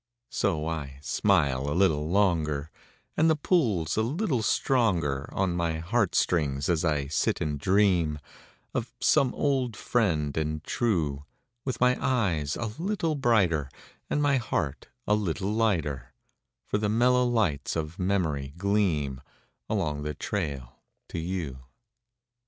S O I smile a little longer, And the pull's a little stronger On mg heart strings as I sit and ] dream of some old "friend and true °(Dith mg eges a little brighter And mg heart a little lighter, por the mellow lights OT memorij qleam Aloncj the trail to gou.